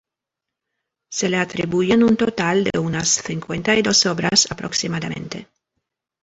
Se le atribuyen un total de unas cincuenta y dos obras aproximadamente.